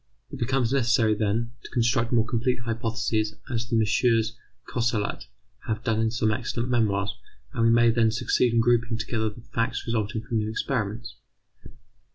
It becomes necessary, then, to construct more complete hypotheses, as the MM. Cosserat have done in some excellent memoirs, and we may then succeed in grouping together the facts resulting from new experiments.